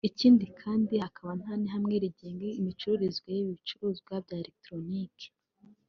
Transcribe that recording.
ikindi kandi hakaba nta n’ihame rigenga imicururizwe y’ibi bicuruzwa bya electronics